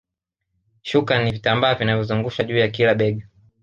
Shuka ni vitambaa vinavyozungushwa juu ya kila bega